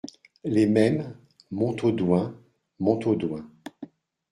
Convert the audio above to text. Les Mêmes, Montaudoin Montaudoin.